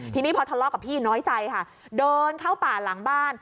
ทีนี้พอทะเลาะกับพี่น้อยใจค่ะเดินเข้าป่าหลังบ้าน